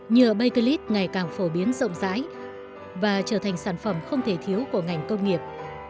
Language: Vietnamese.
nhựa bay clip ngày càng phổ biến rộng rãi và trở thành sản phẩm không thể thiếu của ngành công nghiệp